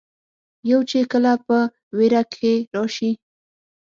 يو چې کله پۀ وېره کښې راشي